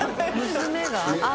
「娘が」？